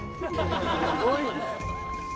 すごいね。